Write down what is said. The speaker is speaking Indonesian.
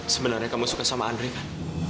sebenarnya kamu suka sama andre kan